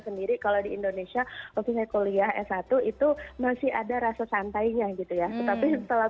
sendiri kalau di indonesia waktu saya kuliah s satu itu masih ada rasa santainya gitu ya tetapi setelah